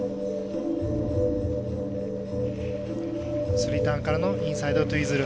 スリーターンからのインサイドツイズル。